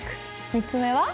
３つ目は。